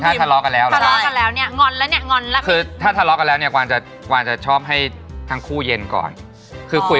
ถ้าเป็นเรานะพิมพ์จนแบบนิ้วป้งจะกลายเป็นแบบว่าบวบแน่เลย